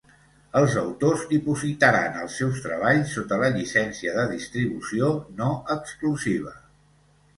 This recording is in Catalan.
Els autors dipositaran els seus treballs sota la llicència de distribució no exclusiva.